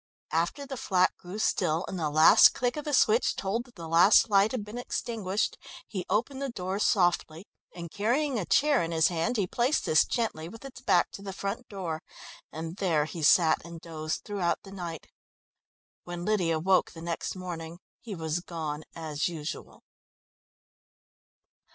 After the flat grew still and the last click of the switch told that the last light had been extinguished, he opened the door softly, and, carrying a chair in his hand, he placed this gently with its back to the front door, and there he sat and dozed throughout the night. When Lydia woke the next morning he was gone as usual.